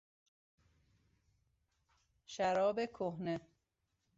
شراب کهنه